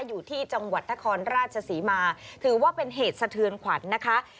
อยู่ที่จังหวัดนครราชศรีมาถือว่าเป็นเหตุสะเทือนขวัญนะคะ